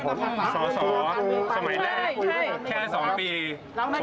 ผมไม่สามารถที่จะไปทำอะไรกับสถาบันได้